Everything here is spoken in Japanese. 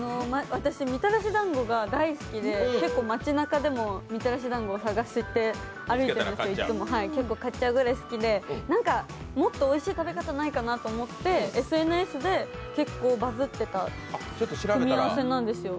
私、みたらしだんごが大好きで街なかでもみたらしだんご探していつも歩いてるんですけど、結構、買っちゃうぐらい好きでもっとおいしい食べ方ないかなと思ってＳＮＳで結構バズってた組み合わせです。